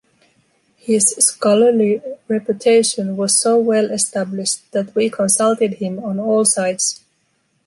His scholarly reputation was so well established that we consulted him on all sides.